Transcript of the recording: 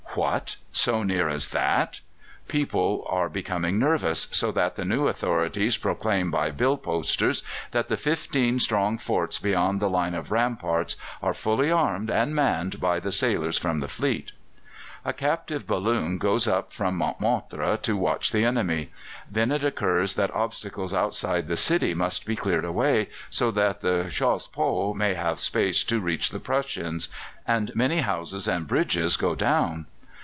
What! so near as that! People are becoming nervous, so that the new authorities proclaim by billposters that the fifteen strong forts beyond the line of ramparts are fully armed and manned by the sailors from the fleet. A captive balloon goes up from Montmartre to watch the enemy. Then it occurs that obstacles outside the city must be cleared away, so that the chassepot may have space to reach the Prussians; and many houses and bridges go down.